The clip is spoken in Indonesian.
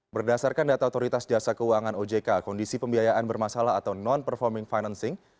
berdasarkan data otoritas jasa keuangan ojk kondisi pembiayaan bermasalah atau non performing financing